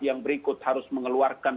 yang berikut harus mengeluarkan